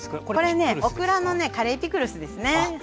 これねオクラのねカレーピクルスですね。